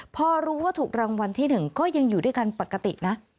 พอรู้ว่าถูกรางวัลที่๑ก็ยังอยู่ด้วยกันปกตินะ